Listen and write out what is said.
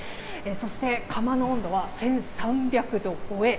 そして窯の温度は１３００度超え。